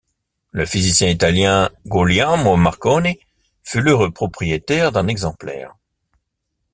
Le physicien italien Guglielmo Marconi fut l'heureux propriétaire d'un exemplaire.